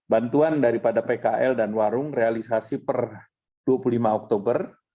bantuan daripada pkl dan warung realisasi per dua puluh lima oktober